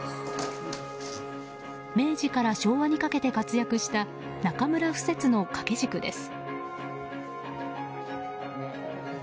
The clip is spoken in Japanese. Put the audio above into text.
明治から昭和にかけて活躍した中村不折の掛け軸です。